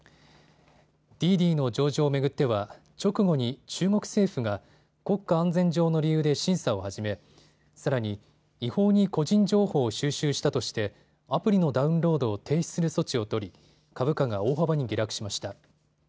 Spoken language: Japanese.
滴滴の上場を巡っては直後に中国政府が国家安全上の理由で審査を始めさらに違法に個人情報を収集したとしてアプリのダウンロードを停止する措置を取り株価が大幅に下落しました。